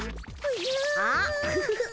あフフフ。